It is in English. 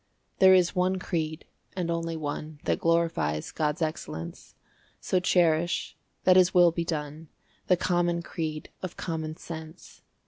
There is one creed, and only one, That glorifies God's excellence; So cherish, that His will be done, The common creed of common sense.